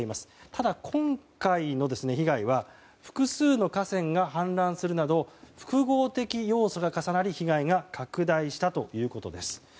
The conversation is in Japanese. ただ、今回の被害は複数の河川が氾濫するなど複合的要素が重なり被害が拡大したということです。